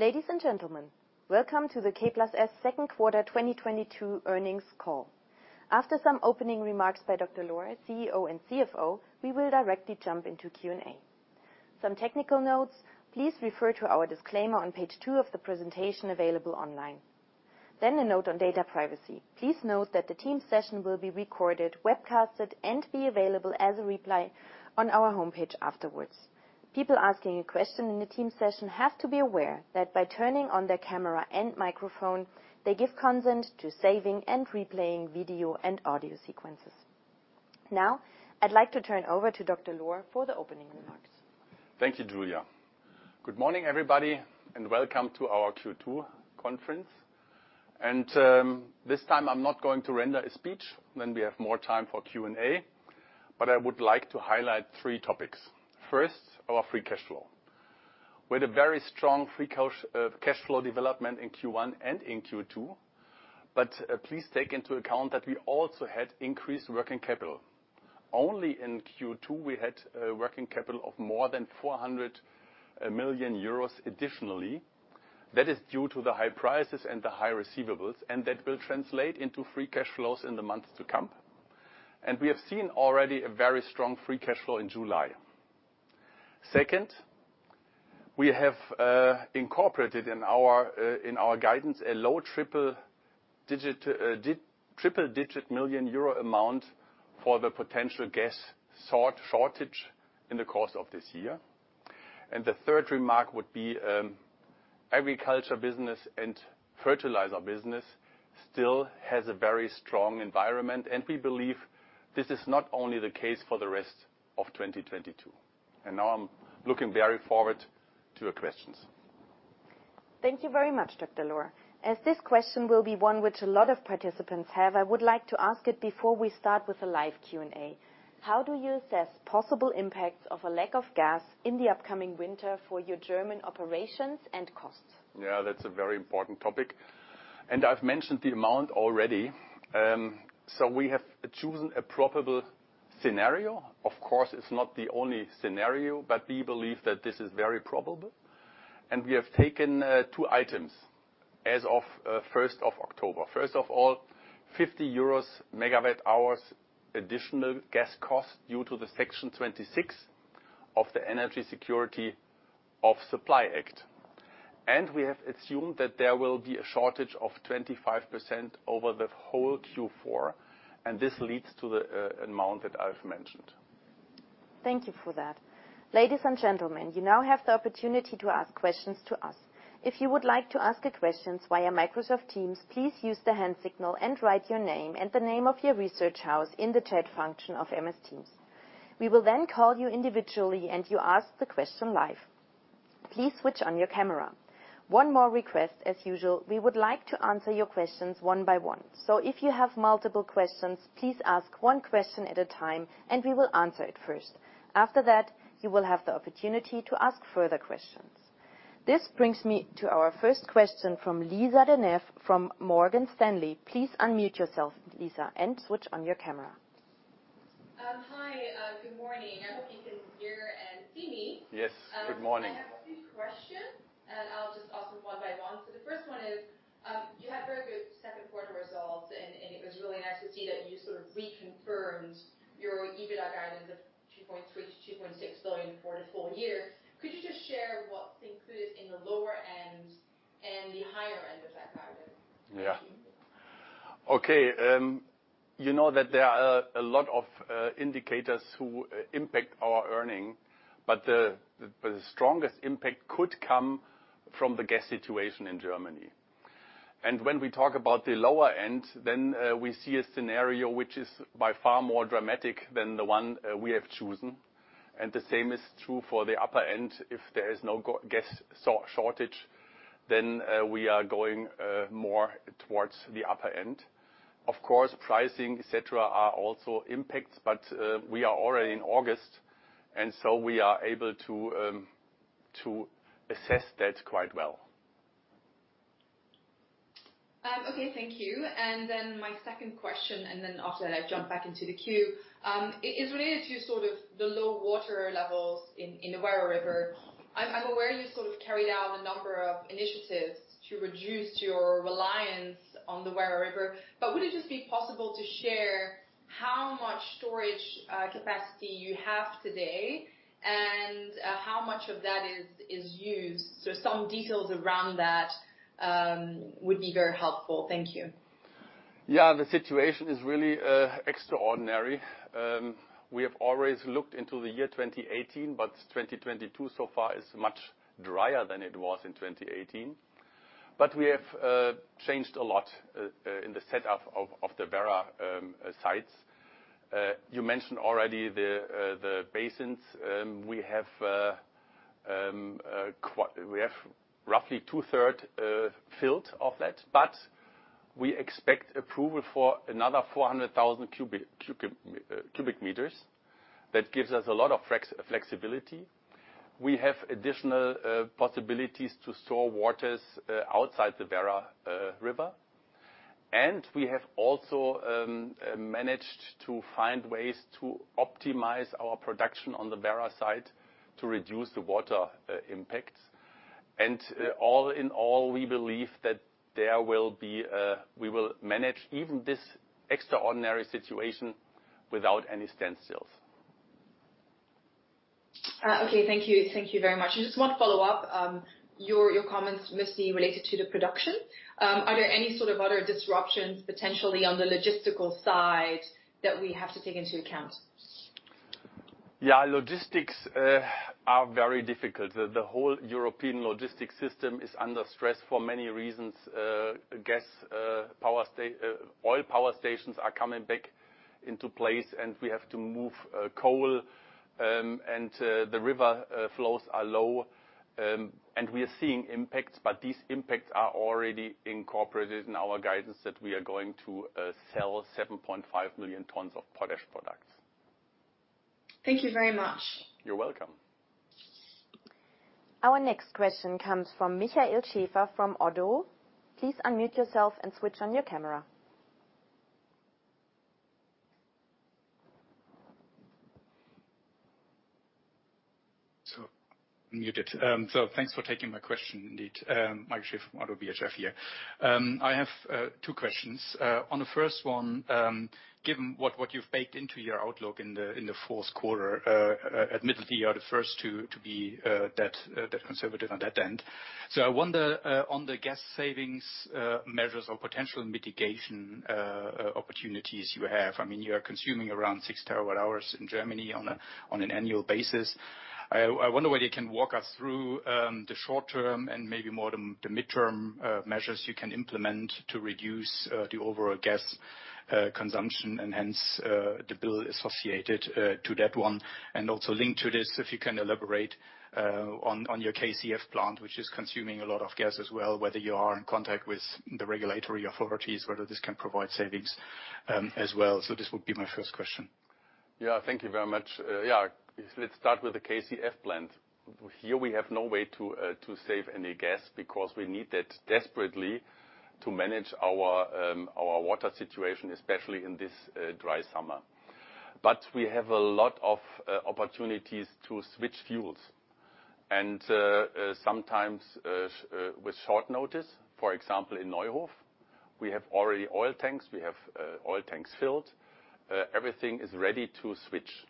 Ladies and gentlemen, welcome to the K+S second quarter 2022 earnings call. After some opening remarks by Burkhard Lohr, CEO and CFO, we will directly jump into Q&A. Some technical notes. Please refer to our disclaimer on page two of the presentation available online. A note on data privacy. Please note that the team session will be recorded, webcasted, and be available as a replay on our homepage afterwards. People asking a question in the team session have to be aware that by turning on their camera and microphone, they give consent to saving and replaying video and audio sequences. Now, I'd like to turn over to Lohr for the opening remarks. Thank you, Julia. Good morning, everybody, and welcome to our Q2 conference. This time I'm not going to deliver a speech, then we have more time for Q&A, but I would like to highlight three topics. First, our free cash flow. We had a very strong free cash flow development in Q1 and in Q2, but please take into account that we also had increased working capital. Only in Q2, we had a working capital of more than 400 million euros additionally. That is due to the high prices and the high receivables, and that will translate into free cash flows in the months to come. We have seen already a very strong free cash flow in July. Second, we have incorporated in our guidance a low triple-digit million EUR amount for the potential gas shortage in the course of this year. The third remark would be, agriculture business and fertilizer business still has a very strong environment, and we believe this is not only the case for the rest of 2022. Now, I'm looking very forward to your questions. Thank you very much, Burkhard Lohr. As this question will be one which a lot of participants have, I would like to ask it before we start with a live Q&A. How do you assess possible impacts of a lack of gas in the upcoming winter for your German operations and costs? Yeah, that's a very important topic, and I've mentioned the amount already. We have chosen a probable scenario. Of course, it's not the only scenario, but we believe that this is very probable. We have taken two items as of first of October. First of all, 50 euros/MWh additional gas cost due to Section 26 Energy Security of Supply Act. And we have assumed that there will be a shortage of 25% over the whole Q4, and this leads to the amount that I've mentioned. Thank you for that. Ladies and gentlemen, you now have the opportunity to ask questions to us. If you would like to ask a question via Microsoft Teams, please use the hand signal and write your name and the name of your research house in the chat function of MS Teams. We will then call you individually, and you ask the question live. Please switch on your camera. One more request. As usual, we would like to answer your questions one by one. If you have multiple questions, please ask one question at a time, and we will answer it first. After that, you will have the opportunity to ask further questions. This brings me to our first question from Lisa De Neve from Morgan Stanley. Please unmute yourself, Lisa, and switch on your camera. Hi. Good morning. I hope you can hear and see me. Yes. Good morning. I have two questions, and I'll just ask them one by one. The first one is, you had very good second quarter results, and it was really nice to see that you sort of reconfirmed your EBITDA guidance of 2.3 billion-2.6 billion for the full year. Could you just share what's included in the lower end and the higher end of that guidance? Yeah. Okay. You know that there are a lot of indicators who impact our earnings, but the strongest impact could come from the gas situation in Germany. When we talk about the lower end, then we see a scenario which is by far more dramatic than the one we have chosen. The same is true for the upper end. If there is no gas shortage, then we are going more towards the upper end. Of course, pricing, et cetera, are also impacts, but we are already in August, and so we are able to assess that quite well. Okay. Thank you. My second question, then after that I jump back into the queue, it is related to sort of the low water levels in the Werra River. I'm aware you sort of carried out a number of initiatives to reduce your reliance on the Werra River, but would it just be possible to share how much storage capacity you have today and how much of that is used? So some details around that would be very helpful. Thank you. Yeah. The situation is really extraordinary. We have always looked into the year 2018, but 2022 so far is much drier than it was in 2018. We have changed a lot in the setup of the Werra sites. You mentioned already the basins. We have roughly two-thirds filled of that, but we expect approval for another 400,000 cubic meters. That gives us a lot of flexibility. We have additional possibilities to store waters outside the Werra River. We have also managed to find ways to optimize our production on the Werra site to reduce the water impact. All in all, we believe that we will manage even this extraordinary situation without any standstills. Okay, thank you. Thank you very much. I just want to follow up. Your comments mostly related to the production. Are there any sort of other disruptions potentially on the logistical side that we have to take into account? Yeah, logistics are very difficult. The whole European logistics system is under stress for many reasons. Gas and oil power stations are coming back into place, and we have to move coal, and the river flows are low. We are seeing impacts, but these impacts are already incorporated in our guidance that we are going to sell 7.5 million tons of potash products. Thank you very much. You're welcome. Our next question comes from Michael Schaefer from ODDO BHF. Please unmute yourself and switch on your camera. Thanks for taking my question indeed, Michael Schaefer from ODDO BHF here. I have two questions. On the first one, given what you've baked into your outlook in the fourth quarter, admittedly you are the first to be that conservative on that end. I wonder on the gas savings measures or potential mitigation opportunities you have. I mean, you are consuming around 6 terawatt-hours in Germany on an annual basis. I wonder whether you can walk us through the short term and maybe more the midterm measures you can implement to reduce the overall gas consumption and hence the bill associated to that one. And also linked to this, if you can elaborate on your KCF plant, which is consuming a lot of gas as well, whether you are in contact with the regulatory authorities, whether this can provide savings, as well. This would be my first question. Yeah, thank you very much. Yeah, let's start with the KCF plant. Here we have no way to save any gas because we need that desperately to manage our water situation, especially in this dry summer. We have a lot of opportunities to switch fuels and sometimes with short notice. For example, in Neuhof, we have already oil tanks. We have oil tanks filled. Everything is ready to switch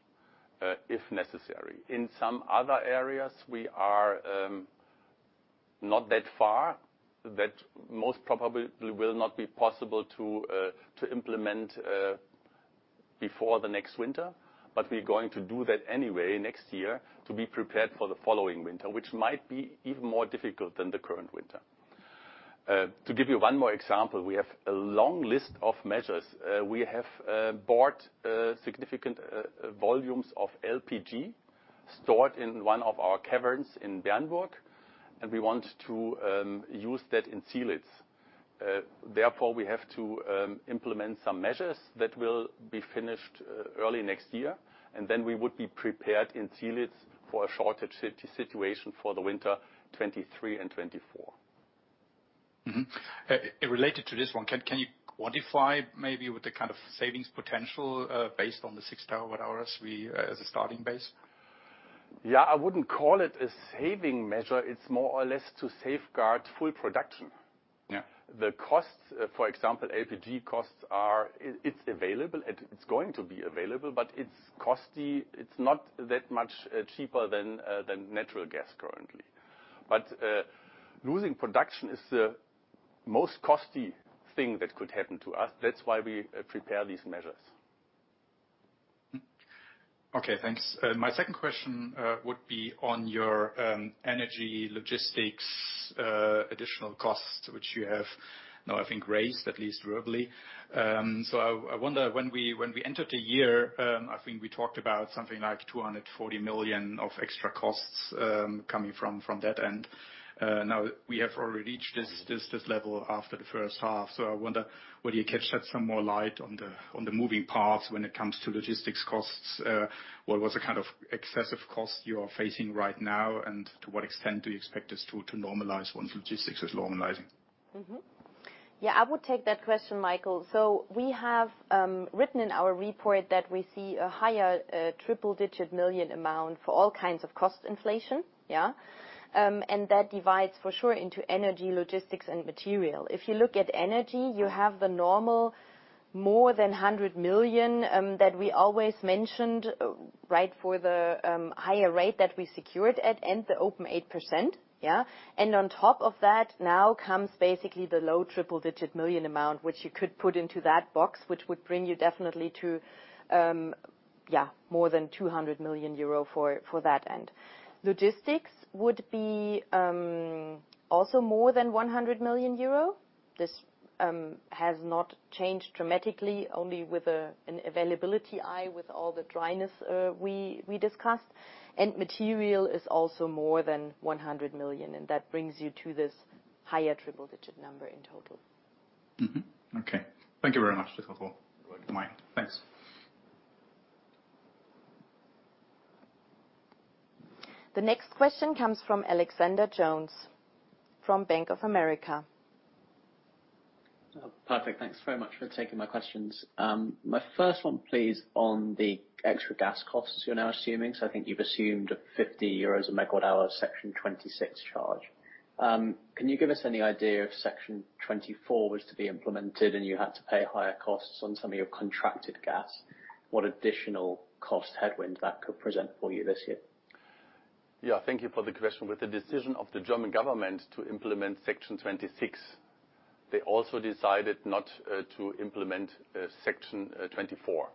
if necessary. In some other areas, we are not that far, that most probably will not be possible to implement before the next winter. We're going to do that anyway next year to be prepared for the following winter, which might be even more difficult than the current winter. To give you one more example, we have a long list of measures. We have bought significant volumes of LPG stored in one of our caverns in Bernburg, and we want to use that in Zielitz. Therefore, we have to implement some measures that will be finished early next year, and then we would be prepared in Zielitz for a shortage situation for the winter 2023 and 2024. Related to this one, can you quantify maybe with the kind of savings potential based on the 6 terawatt-hour we as a starting base? Yeah, I wouldn't call it a saving measure. It's more or less to safeguard full production. Yeah. The costs, for example, LPG costs are available. It's going to be available, but it's costly. It's not that much cheaper than natural gas currently. Losing production is the most costly thing that could happen to us. That's why we prepare these measures. Okay, thanks. My second question would be on your energy logistics additional costs which you have now, I think, raised at least verbally. I wonder when we entered the year, I think we talked about something like 240 million of extra costs coming from that end. Now, we have already reached this level after the first half. I wonder whether you can shed some more light on the moving parts when it comes to logistics costs. What was the kind of excessive cost you are facing right now? And to what extent do you expect this to normalize once logistics is normalizing? Yeah, I would take that question, Michael. We have written in our report that we see a higher triple-digit million amount for all kinds of cost inflation, yeah? That divides for sure into energy, logistics, and material. If you look at energy, you have the normal more than 100 million that we always mentioned, right? For the higher rate that we secured at end, the 8%, yeah? On top of that now comes basically the low triple-digit million amount, which you could put into that box, which would bring you definitely to, yeah, more than 200 million euro for that end. Logistics would be also more than 100 million euro. This has not changed dramatically, only with an availability issue with all the dryness we discussed. Material is also more than 100 million, and that brings you to this higher triple-digit number in total. Okay. Thank you very much. Thanks. The next question comes from Alexander Jones from Bank of America. Oh, perfect. Thanks very much for taking my questions. My first one please, on the extra gas costs you're now assuming. I think you've assumed a 50 euros a megawatt-hour Section 26 charge. Can you give us any idea if Section 24 was to be implemented and you had to pay higher costs on some of your contracted gas, what additional cost headwinds that could present for you this year? Yeah, thank you for the question. With the decision of the German government to implement Section 26, they also decided not to implement Section 24.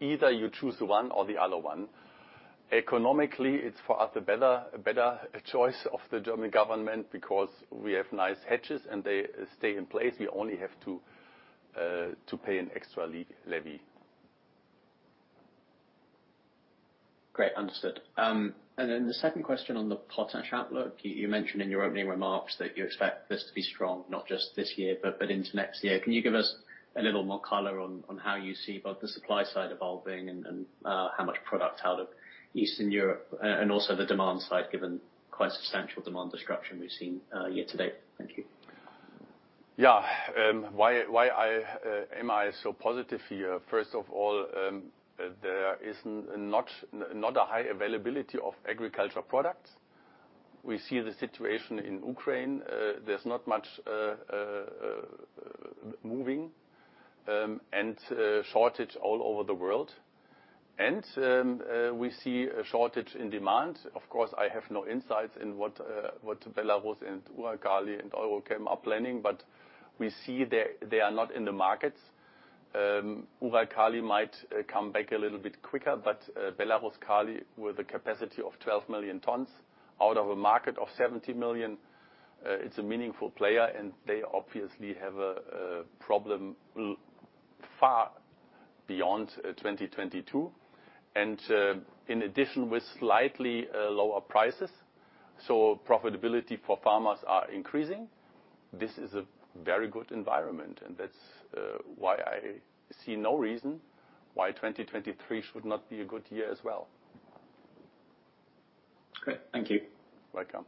Either you choose one or the other one. Economically, it's for us a better choice of the German government because we have nice hedges and they stay in place. We only have to pay an extra levy. Great, understood. Then the second question on the potash outlook. You mentioned in your opening remarks that you expect this to be strong not just this year, but into next year. Can you give us a little more color on how you see both the supply side evolving and how much product out of Eastern Europe and also the demand side, given quite substantial demand destruction we've seen year to date? Thank you. Yeah. Why am I so positive here? First of all, there is not a high availability of agricultural products. We see the situation in Ukraine, there's not much moving, and shortage all over the world. We see strong demand. Of course, I have no insights in what Belarus and Uralkali and Belaruskali are planning, but we see they are not in the markets. Uralkali might come back a little bit quicker, but Belaruskali with a capacity of 12 million tons out of a market of 70 million, it's a meaningful player, and they obviously have a problem far beyond 2022. In addition, with slightly lower prices, so profitability for farmers are increasing. This is a very good environment, and that's why I see no reason why 2023 should not be a good year as well. Great. Thank you. You're welcome.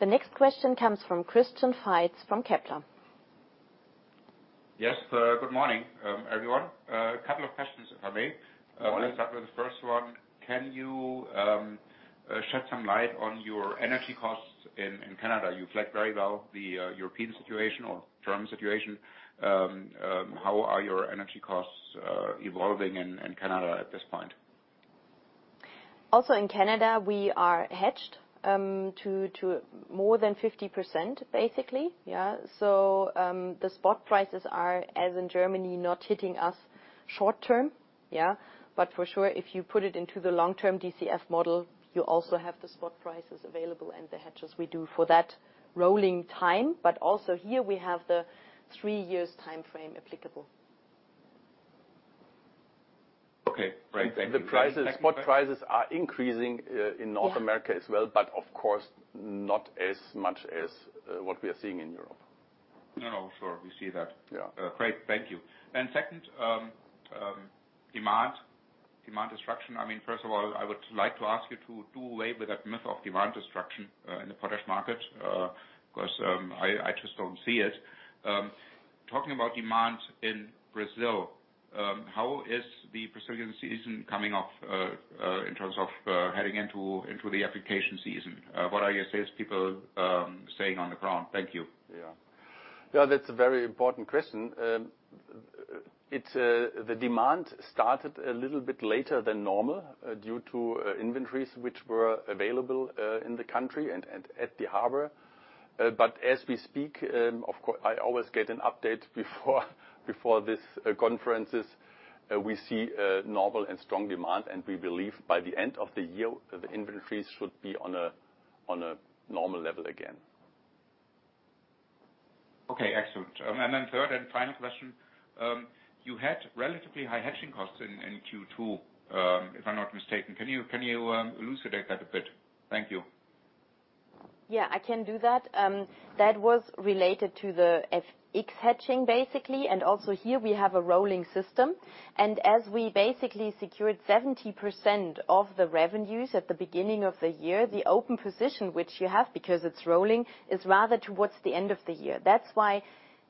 The next question comes from Christian Faitz from Kepler. Yes. Good morning, everyone. A couple of questions, if I may. Morning. I will start with the first one. Can you shed some light on your energy costs in Canada? You flagged very well the European situation or German situation. How are your energy costs evolving in Canada at this point? In Canada, we are hedged to more than 50% basically. The spot prices are, as in Germany, not hitting us short term. For sure, if you put it into the long-term DCF model, you also have the spot prices available and the hedges we do for that rolling time. Also here we have the three years timeframe applicable. Okay, great. Thank you. The prices, spot prices are increasing in North America as well, but of course not as much as what we are seeing in Europe. No, no, for sure. We see that. Yeah. Great. Thank you. Second, demand destruction. I mean, first of all, I would like to ask you to do away with that myth of demand destruction in the potash market, because I just don't see it. Talking about demand in Brazil, how is the Brazilian season coming off in terms of heading into the application season? What are your sales people saying on the ground? Thank you. Yeah. Yeah, that's a very important question. It's the demand started a little bit later than normal due to inventories which were available in the country and at the harbor. As we speak, of course, I always get an update before these conferences. We see a normal and strong demand, and we believe by the end of the year, the inventories should be on a normal level again. Okay, excellent. Third and final question. You had relatively high hedging costs in Q2, if I'm not mistaken. Can you elucidate that a bit? Thank you. Yeah, I can do that. That was related to the FX hedging basically, and also here we have a rolling system. As we basically secured 70% of the revenues at the beginning of the year, the open position which you have, because it's rolling, is rather towards the end of the year. That's why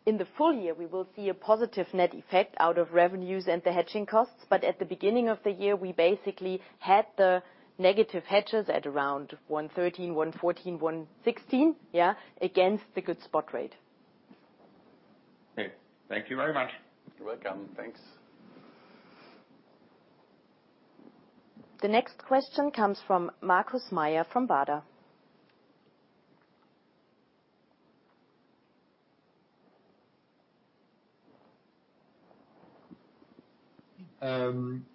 in the full year, we will see a positive net effect out of revenues and the hedging costs. At the beginning of the year, we basically had the negative hedges at around 1.13, 1.14, 1.16, yeah, against the good spot rate. Okay. Thank you very much. You're welcome. Thanks. The next question comes from Markus Mayer from Baader.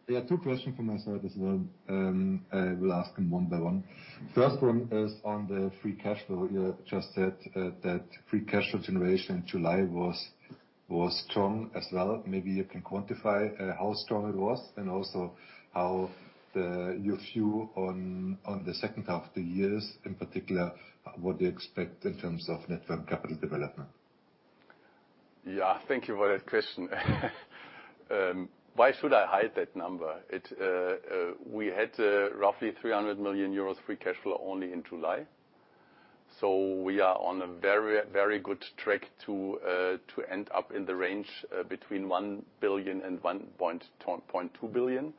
Yeah, two questions from my side as well. I will ask them one by one. First one is on the free cash flow. You just said that free cash flow generation in July was strong as well. Maybe you can quantify how strong it was, and also your view on the second half of the year, in particular, what do you expect in terms of net working capital development? Yeah, thank you for that question. Why should I hide that number? We had roughly 300 million euros free cash flow only in July. So we are on a very good track to end up in the range between 1 billion and 1.2 billion.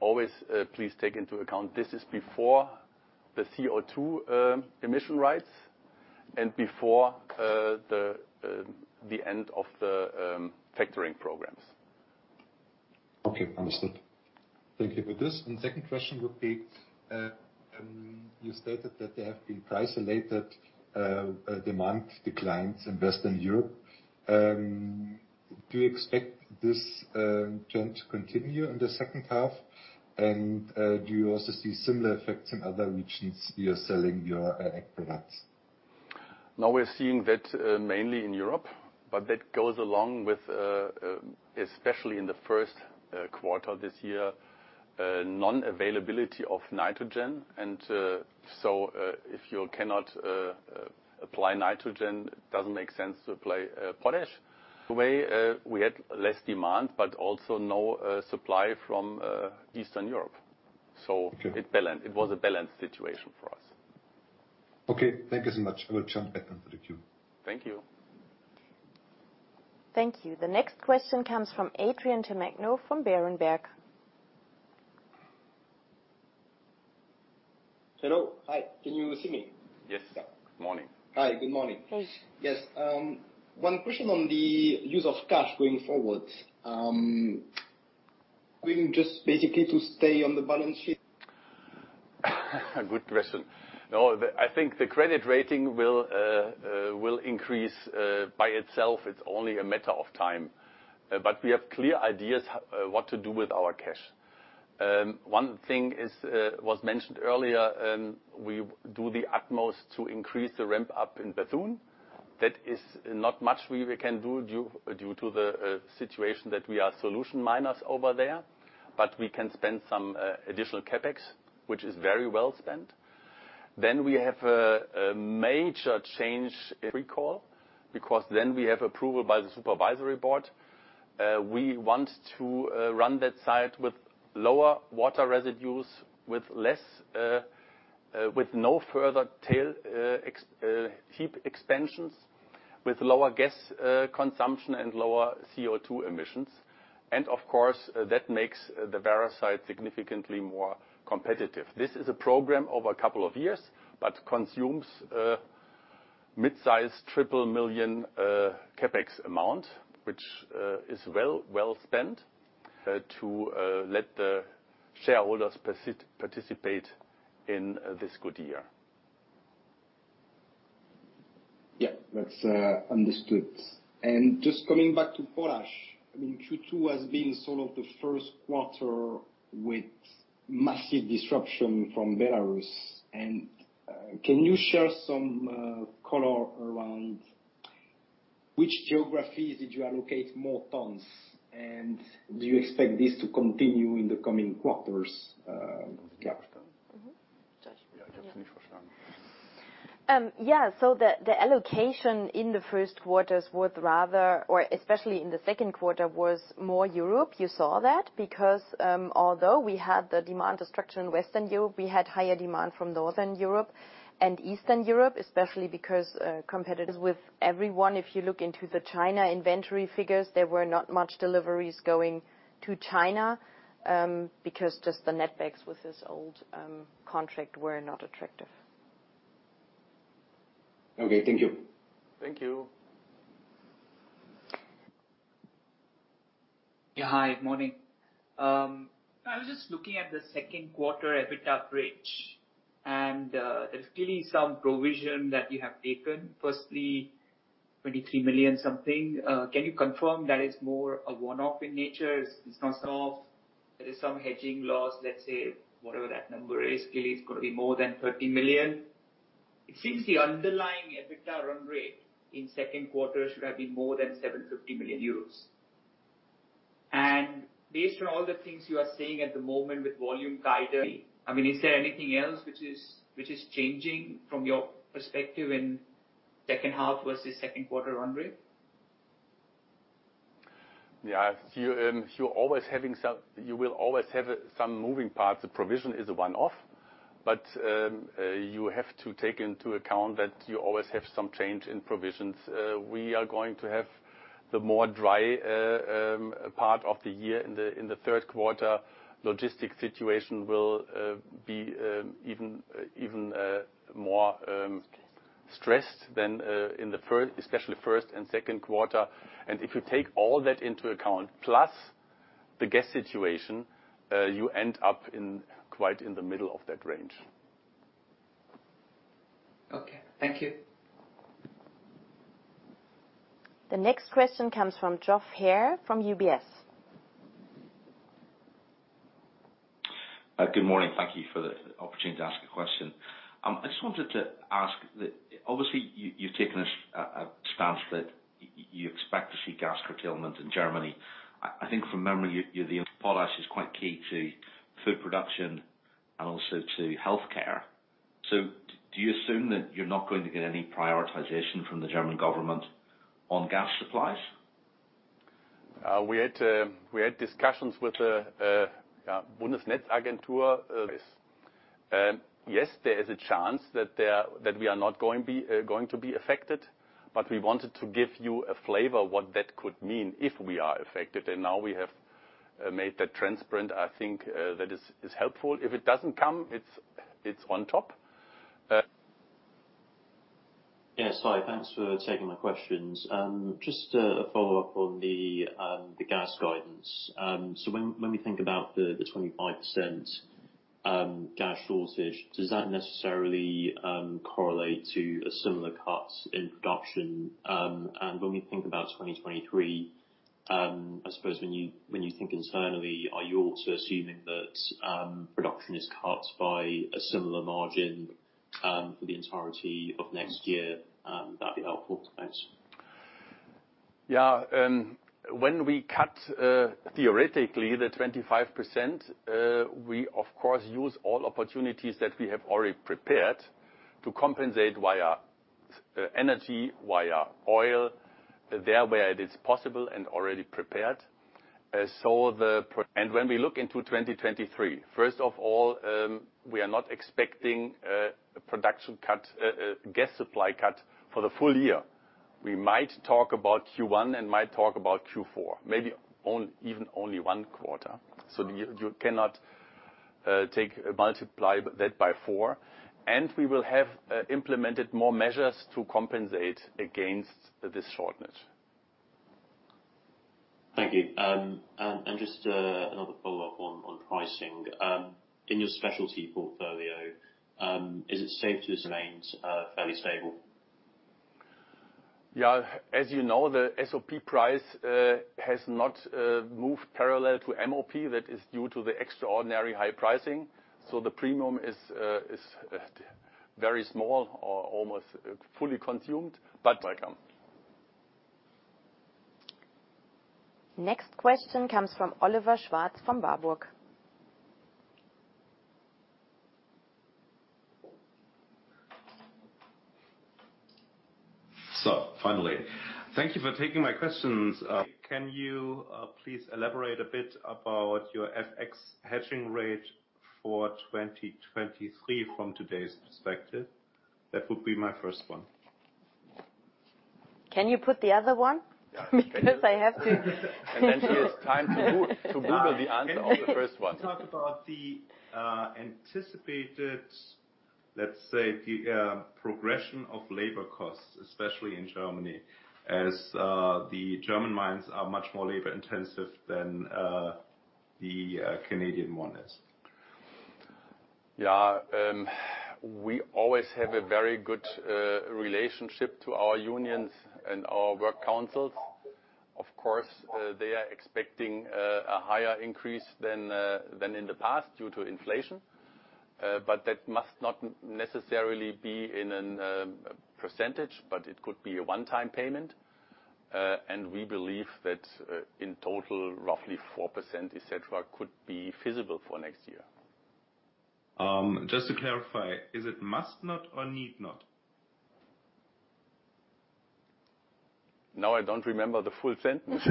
Always, please take into account, this is before the CO2 emission rights and before the end of the factoring programs. Okay. Understood. Thank you for this. Second question would be, you stated that there have been price-related demand declines in Western Europe. Do you expect this trend to continue in the second half? Do you also see similar effects in other regions you're selling your products? No, we're seeing that mainly in Europe, but that goes along with especially in the first quarter this year non-availability of Nitrogen. If you cannot apply Nitrogen, it doesn't make sense to apply potash. The way we had less demand but also no supply from Eastern Europe. Okay. It balanced, it was a balanced situation for us. Okay, thank you so much. I will jump back into the queue. Thank you. Thank you. The next question comes from Adrien Tamagno from Berenberg. Hello. Hi. Can you see me? Yes. Yeah. Good morning. Hi, good morning. Please. Yes. One question on the use of cash going forward. Doing just basically to stay on the balance sheet? A good question. No, I think the credit rating will increase by itself, it's only a matter of time. We have clear ideas what to do with our cash. One thing was mentioned earlier, and we do the utmost to increase the ramp up in Bethune. That is not much we can do due to the situation that we are solution miners over there, but we can spend some additional CapEx, which is very well spent. We have a major change if we call, because then we have approval by the supervisory board. We want to run that site with lower water residues, with less, with no further tailings heap expansions, with lower gas consumption and lower CO2 emissions. Of course, that makes the Werra site significantly more competitive. This is a program over a couple of years, but consumes mid-sized triple million CapEx amount, which is well spent to let the shareholders participate in this good year. Yeah, that's understood. Just coming back to potash, I mean, Q2 has been sort of the first quarter with massive disruption from Belarus. Can you share some color around which geographies did you allocate more tons? Do you expect this to continue in the coming quarters? Yeah. Yeah. Yeah, definitely. Yeah. Good question. No, I think the credit rating will increase by itself. It's only a matter of time. We have clear ideas what to do with our cash. One thing was mentioned earlier, and we do the utmost to increase the ramp up in Bethune. There is not much we can do due to the situation that we are solution miners over there, but we can spend some additional CapEx, which is very well spent. We have a major change if we call, because we have approval by the supervisory board. We want to run that site with lower water residues, with no further tailings heap expansions, with lower gas consumption and lower CO2 emissions. Of course, that makes the Werra site significantly more competitive. This is a program over a couple of years, but consumes mid-size EUR 3 million CapEx amount, which is well spent to let the shareholders participate in this good year. Yeah. That's understood. Just coming back to potash, I mean, Q2 has been sort of the first quarter with massive disruption from Belarus. Can you share some color around which geographies did you allocate more tons? Do you expect this to continue in the coming quarters? Good morning. Thank you for the opportunity to ask a question. I just wanted to ask. Obviously, you've taken a stance that you expect to see gas curtailment in Germany. I think from memory, potash is quite key to food production and also to healthcare. Do you assume that you're not going to get any prioritization from the German government on gas supplies? We had discussions with the Bundesnetzagentur, yes. Yes, there is a chance that we are not going to be affected, but we wanted to give you a flavor what that could mean if we are affected. Now, we have made that transparent. I think that is helpful. If it doesn't come, it's on top. Yes. Hi, thanks for taking my questions. Just a follow-up on the gas guidance. When we think about the 25% gas shortage, does that necessarily correlate to a similar cut in production? When we think about 2023, I suppose when you think internally, are you also assuming that production is cut by a similar margin for the entirety of next year? That'd be helpful. Thanks. Yeah. When we cut theoretically the 25%, we of course use all opportunities that we have already prepared to compensate via energy, via oil there where it is possible and already prepared. When we look into 2023, first of all, we are not expecting production cut, gas supply cut for the full year. We might talk about Q1 and might talk about Q4, maybe even only one quarter. You cannot multiply that by four and we will have implemented more measures to compensate against this shortage. Thank you. Just another follow-up on pricing. In your specialty portfolio, is it safe to assume it remains fairly stable? Yeah. As you know, the SOP price has not moved parallel to MOP. That is due to the extraordinary high pricing. The premium is very small or almost fully consumed. Next question comes from Oliver Schwarz from Warburg. Finally. Thank you for taking my questions. Can you please elaborate a bit about your FX hedging rate for 2023 from today's perspective? That would be my first one. Can you put the other one? Yeah. Because I have to. He has time to Google the answer of the first one. Can you talk about the anticipated, let's say, progression of labor costs, especially in Germany as the German mines are much more labor-intensive than the Canadian one is? We always have a very good relationship to our unions and our work councils. Of course, they are expecting a higher increase than in the past due to inflation. That must not necessarily be in a percentage, but it could be a one-time payment. We believe that in total, roughly 4%, et cetera, could be feasible for next year. Just to clarify, is it must not or need not? Now, I don't remember the full sentence.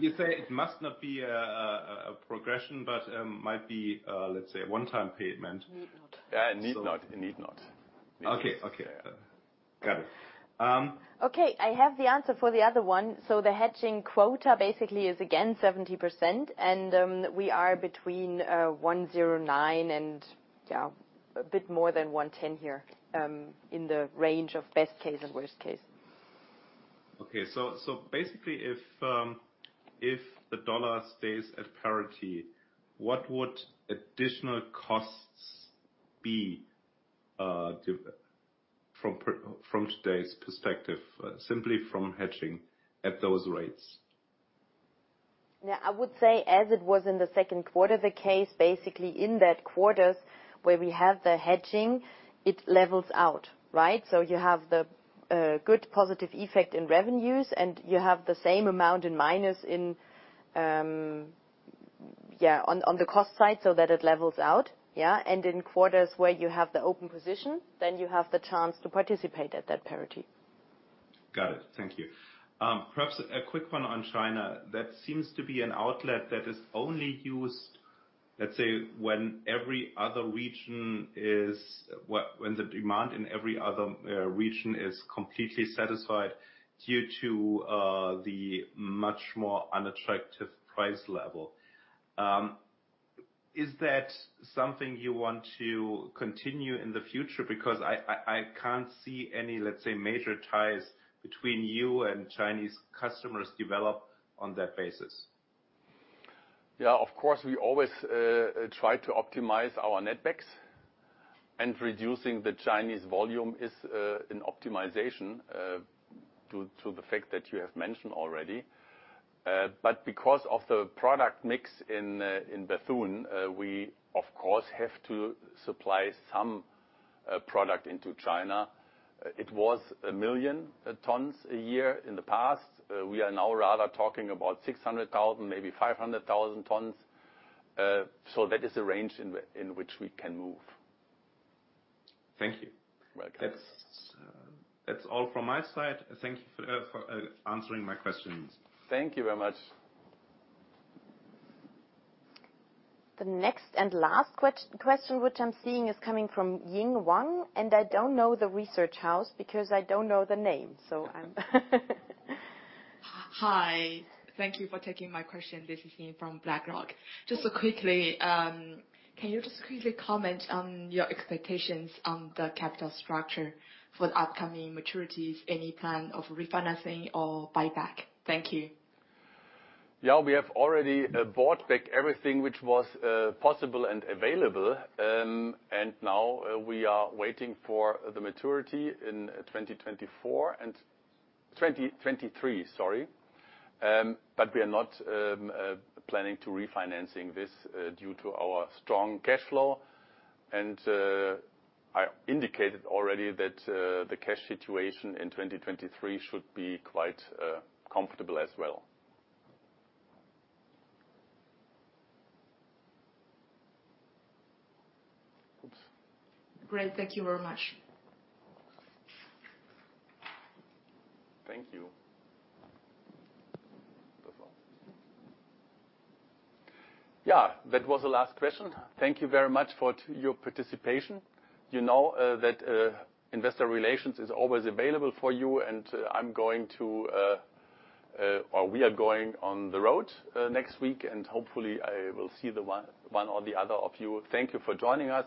You say it must not be a progression, but might be, let's say a one-time payment. Need not. Yeah. Need not. Okay. Got it. I have the answer for the other one. The hedging quota basically is again 70%, and we are between 1.09 and a bit more than 1.10 here, in the range of best case and worst case. Basically if the dollar stays at parity, what would additional costs be from today's perspective, simply from hedging at those rates? Yeah. I would say as it was in the second quarter, the case basically in that quarters where we have the hedging, it levels out, right? You have the good positive effect in revenues and you have the same amount in minus in yeah on the cost side so that it levels out. Yeah. In quarters where you have the open position, then you have the chance to participate at that parity. Got it. Thank you. Perhaps a quick one on China. That seems to be an outlet that is only used, let's say, when the demand in every other region is completely satisfied due to the much more unattractive price level. Is that something you want to continue in the future? Because I can't see any, let's say, major ties between you and Chinese customers develop on that basis. Yeah, of course, we always try to optimize our netbacks and reducing the Chinese volume is an optimization due to the fact that you have mentioned already. Because of the product mix in Bethune, we of course have to supply some product into China, it was 1 million tons a year in the past. We are now rather talking about 600,000, maybe 500,000 tons. So that is the range in which we can move. Thank you. Welcome. That's all from my side. Thank you for answering my questions. Thank you very much. The next and last question which I'm seeing is coming from Yining Wang, and I don't know the research house because I don't know the name. Hi. Thank you for taking my question. This is Yining from BlackRock. Just quickly, can you just quickly comment on your expectations on the capital structure for the upcoming maturities? Any plan of refinancing or buyback? Thank you. Yeah, we have already bought back everything which was possible and available. Now we are waiting for the maturity in 2024 and 2023, sorry. We are not planning to refinancing this due to our strong cash flow. I indicated already that the cash situation in 2023 should be quite comfortable as well. Oops. Great. Thank you very much. Thank you. That's all. Yeah, that was the last question. Thank you very much for your participation. You know, that investor relations is always available for you, and I'm going to, or we are going on the road, next week, and hopefully I will see one or the other of you. Thank you for joining us.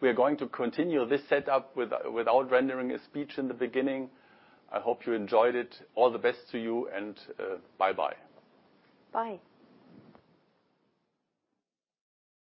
We are going to continue this setup without rendering a speech in the beginning. I hope you enjoyed it. All the best to you, and bye-bye. Bye.